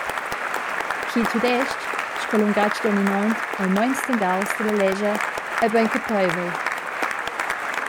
Ch’il tudestg sco lungatg dominont ei meins tangaus dalla lescha ei bein capeivel.